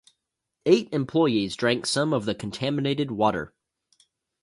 Eight employees drank some of the contaminated water.